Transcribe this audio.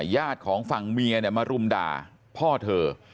ญาติของฝั่งเมียมารุมด่าพ่อเธอ